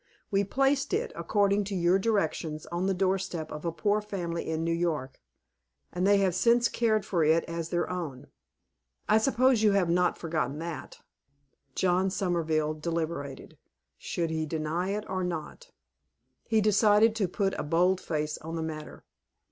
We placed it, according to your directions, on the door step of a poor family in New York, and they have since cared for it as their own. I suppose you have not forgotten that." John Somerville deliberated. Should he deny it or not? He decided to put a bold face on the matter.